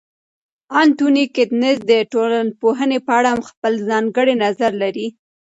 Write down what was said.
انتوني ګیدنز د ټولنپوهنې په اړه خپل ځانګړی نظر لري.